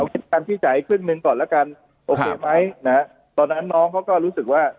คิดคำที่จ่ายครึ่งหนึ่งก่อนแล้วกันโอเคไหมนะฮะตอนนั้นน้องเขาก็รู้สึกว่า